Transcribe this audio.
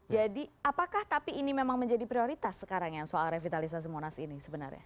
jadi apakah tapi ini memang menjadi prioritas sekarang ya soal revitalisasi monas ini sebenarnya